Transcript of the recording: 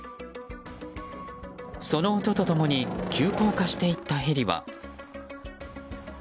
その音と共に急降下していったヘリは。